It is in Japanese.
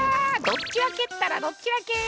どっちらけったらどっちらけ！